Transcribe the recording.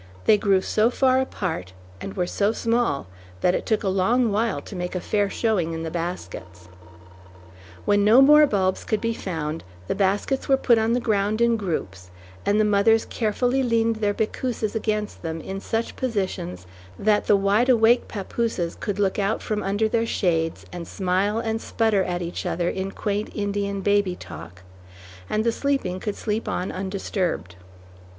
They grew so far apart and were so small that it took a long while to make a fair showing in the baskets. When no more bulbs could be found, the baskets were put on the ground in groups, and the mothers carefully leaned their bickooses against them in such positions that the wide awake papooses could look out from under their shades and smile and sputter at each other in quaint Indian baby talk; and the sleeping could sleep on undisturbed.